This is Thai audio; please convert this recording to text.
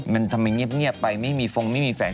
มันทำไมเงียบไปไม่มีฟงไม่มีแฟน